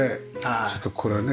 ちょっとこれはね